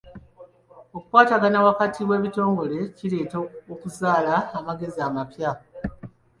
Okukwatagana wakati w'ebitongole kireeta okuzaala amagezi amapya.